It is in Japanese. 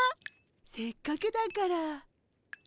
せっかくだから。